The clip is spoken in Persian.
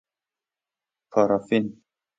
پارافین